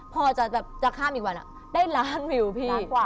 พอจะข้ามอีกวันได้ล้านวิวพี่